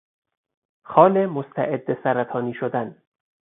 خال مستعد سرطانی شدن